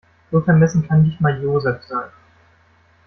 So vermessen kann nicht mal Joseph sein.